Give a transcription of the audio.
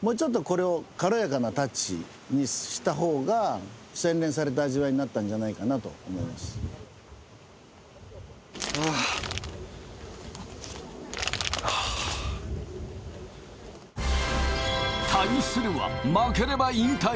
もうちょっとこれを軽やかなタッチにしたほうが洗練された味わいになったんじゃないかなと思いますああはあ対するは負ければ引退